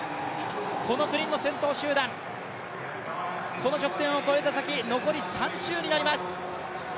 この９人の先頭集団、この直線を越えた先残り３周になります。